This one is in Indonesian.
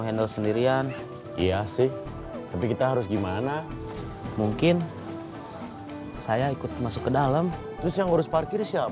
yang penting untungnya banyak